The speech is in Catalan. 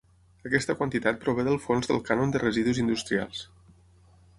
Aquesta quantitat prové del fons del cànon de residus industrials.